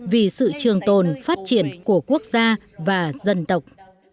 vì sự trường tồn phát triển của quốc gia và dân tộc